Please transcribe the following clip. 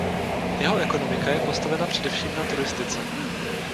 Jeho ekonomika je postavena především na turistice.